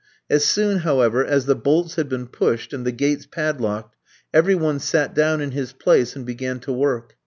As soon, however, as the bolts had been pushed and the gates padlocked, every one sat down in his place and began to work.